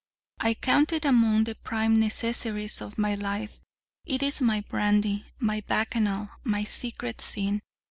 I count it among the prime necessaries of my life: it is my brandy, my bacchanal, my secret sin.